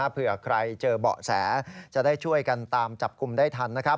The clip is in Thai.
เผื่อใครเจอเบาะแสจะได้ช่วยกันตามจับกลุ่มได้ทันนะครับ